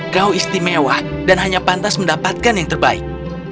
kau istimewa dan hanya pantas mendapatkan yang terbaik